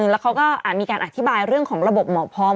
แล้วเขาก็อาจมีการอธิบายเรื่องของระบบหมอพร้อม